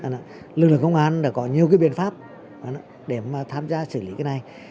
lực lượng công an đã có nhiều biện pháp để tham gia xử lý cái này